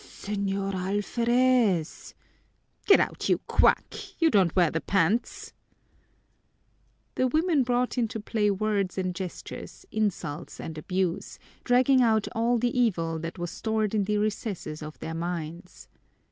"S señor Alferez!" "Get out, you quack! You don't wear the pants!" The women brought into play words and gestures, insults and abuse, dragging out all the evil that was stored in the recesses of their minds.